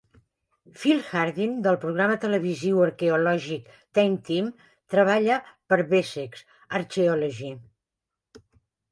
Phil Harding del programa televisiu arqueològic "Time Team" treballa per Wessex Archaeology.